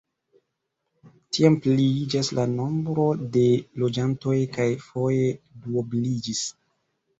Tiam pliiĝas la nombro de loĝantoj kaj foje duobliĝis.